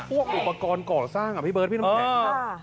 อุปกรณ์ก่อสร้างอ่ะพี่เบิร์ดพี่น้ำแข็ง